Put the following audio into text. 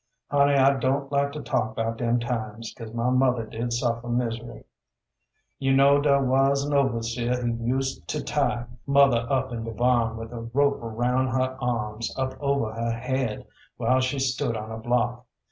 Honey, I don't like to talk 'bout dem times, 'cause my mother did suffer misery. [SP: misert] You know dar was an' overseer who use to tie mother up in de barn with a rope aroun' her arms up over her head, while she stood on a block.